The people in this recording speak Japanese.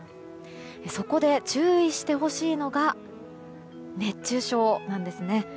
そこで、注意してほしいのが熱中症なんですね。